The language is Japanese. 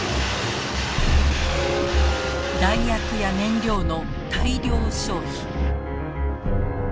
弾薬や燃料の大量消費。